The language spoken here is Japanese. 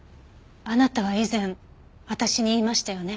あなたは以前私に言いましたよね。